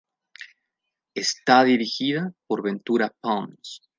Está dirigida por Ventura Pons.